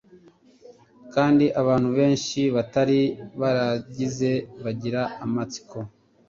kandi abantu benshi batari barigeze bagira amatsiko